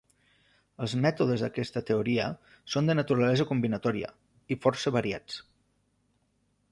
Els mètodes d'aquesta teoria són de naturalesa combinatòria, i força variats.